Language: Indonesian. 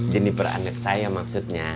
jeniper anak saya maksudnya